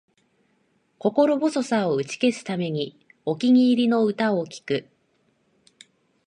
心細さを打ち消すため、お気に入りの歌を聴く